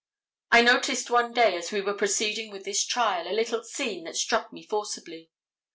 I noticed one day as we were proceeding with this trial, a little scene that struck me forcibly.